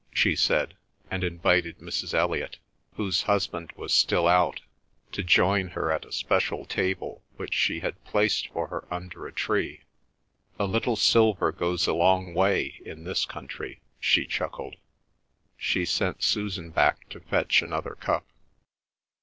she said, and invited Mrs. Elliot, whose husband was still out, to join her at a special table which she had placed for her under a tree. "A little silver goes a long way in this country," she chuckled. She sent Susan back to fetch another cup.